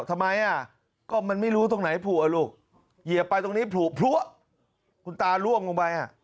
ทำไมอ่ะก็มันไม่รู้ตรงไหนผัวลูกเหยียบไปตรงนี้ผลุพลัวคุณตาล่วงลงไปอ่ะ